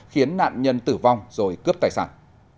khiến nạn nhân tử vong rồi cướp tài sản